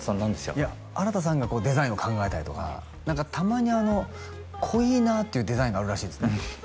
いや新さんがデザインを考えたりとか何かたまにあの濃いなっていうデザインがあるらしいですね